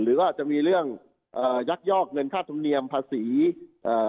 ก็จะมีเรื่องเอ่อยักยอกเงินค่าธรรมเนียมภาษีเอ่อ